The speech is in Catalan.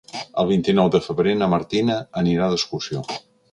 El vint-i-nou de febrer na Martina anirà d'excursió.